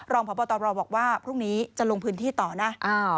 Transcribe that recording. รองพบตรบอกว่าพรุ่งนี้จะลงพื้นที่ต่อนะ